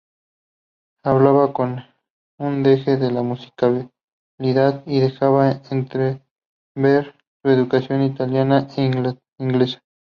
Hablaba con un deje de musicalidad y dejaba entrever su educación italiana e inglesa".